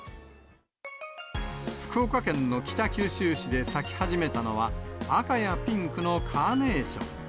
福岡県の北九州市で咲き始めたのは、赤やピンクのカーネーション。